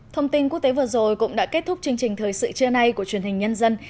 thông tin quốc tế vừa rồi cũng đã kết thúc chương trình thời sự trưa nay của truyền hình nhân dân